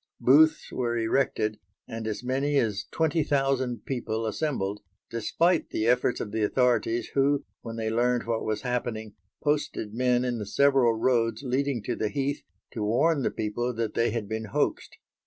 Booths were erected and as many as twenty thousand people assembled, despite the efforts of the authorities who, when they learned what was happening, posted men in the several roads leading to the heath to warn the people that they had been hoaxed.